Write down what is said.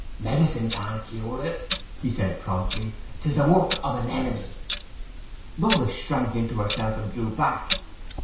'Medicine can't cure it,' he said promptly. ''Tis the work of an enemy.' Rhoda shrank into herself, and drew back.